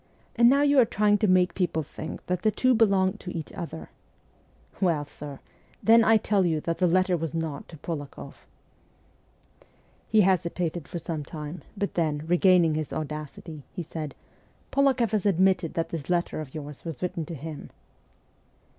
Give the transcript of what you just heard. And now you are trying to make people think that the two belong to each other ! Well, sir, then I tell you that the letter was not to Polak6ff.' He hesitated for some time, but then, regaining his audacity, he said, ' Polak6ff has admitted that this letter of yours was written to him.'